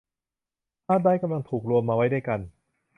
ฮาร์ดไดรฟ์กำลังถูกรวมมาไว้ด้วยกัน